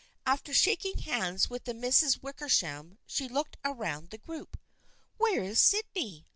After shak ing hands with the Misses Wickersham she looked around the group. " Where is Sydney